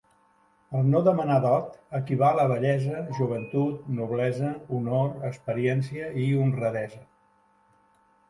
El no demanar dot equival a bellesa, joventut, noblesa, honor, experiència i honradesa.